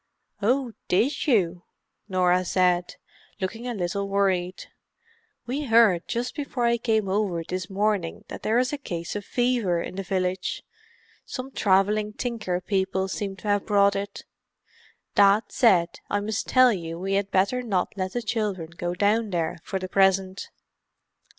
"Oh—did you?" Norah said, looking a little worried. "We heard just before I came over this morning that there is a case of fever in the village—some travelling tinker people seem to have brought it. Dad said I must tell you we had better not let the children go down there for the present."